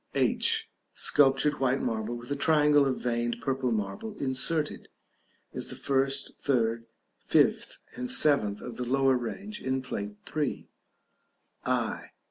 h. Sculptured white marble with a triangle of veined purple marble inserted (as the first, third, fifth, and seventh of the lower range in Plate III.). i.